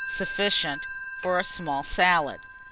Sufficient for a small salad.